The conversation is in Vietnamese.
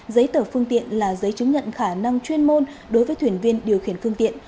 giấy tờ phương tiện là giấy chứng nhận khả năng chuyên môn đối với thuyền viên điều khiển phương tiện